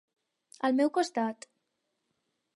Al meu costat.